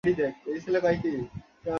ততক্ষণ পর্যন্ত, ভালো থাকবেন।